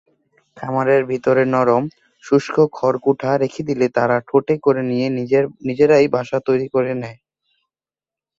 খামারের ভিতরে নরম, শুষ্ক খড়-কুটা রেখে দিলে তারা ঠোঁটে করে নিয়ে নিজেরাই বাসা তৈরি করে নেয়।